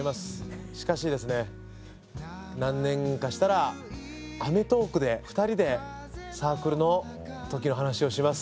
しかしですね何年かしたら『アメトーーク』で２人でサークルの時の話をします。